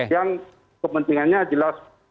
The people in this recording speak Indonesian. yang kepentingannya jelas